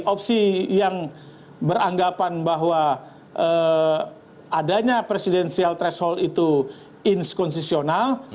opsi yang beranggapan bahwa adanya presidensial threshold itu inskonsisional